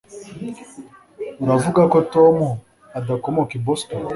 Uravuga ko Tom adakomoka i Boston